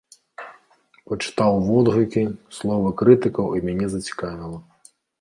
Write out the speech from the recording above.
Пачытаў водгукі, словы крытыкаў і мяне зацікавіла.